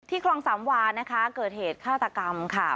คลองสามวานะคะเกิดเหตุฆาตกรรมค่ะ